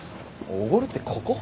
おごるってここ？